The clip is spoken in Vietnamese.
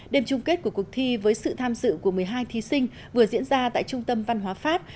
đêm chung kết của cuộc thi với sự tham dự của một mươi hai thí sinh vừa diễn ra tại trung tâm văn hóa pháp